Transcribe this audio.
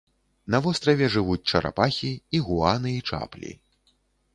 На востраве жывуць чарапахі, ігуаны і чаплі.